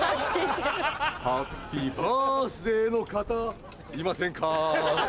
ハッピーバースデーの方いませんか？